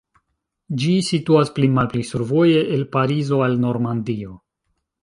Ĝi situas pli malpli survoje el Parizo al Normandio.